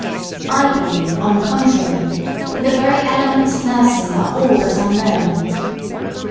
I believe, on the contrary, that the very elements of nursing are all but unknown.